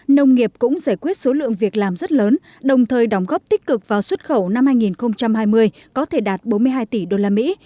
nông nghiệp cũng giải quyết số lượng việc làm rất lớn đồng thời đóng góp tích cực vào xuất khẩu năm hai nghìn hai mươi có thể đạt bốn mươi hai tỷ đô la mỹ